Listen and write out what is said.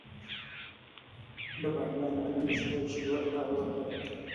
د بادیان دانه د شیدو لپاره وکاروئ